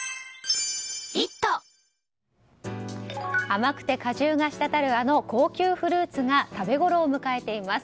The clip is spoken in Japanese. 甘くて果汁がしたたるあの高級フルーツが食べごろを迎えています。